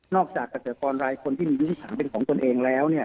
นอกจากเก็บขาวรายคนที่มียุ้งฉางเป็นของคนเองแล้วเนี่ย